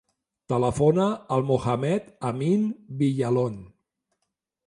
Telefona al Mohamed amin Villalon.